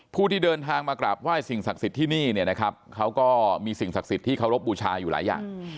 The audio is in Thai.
ผู้ที่เดินทางมากราบไหว้สิ่งศักดิ์สิทธิ์ที่นี่เนี่ยนะครับเขาก็มีสิ่งศักดิ์สิทธิ์ที่เคารพบูชาอยู่หลายอย่าง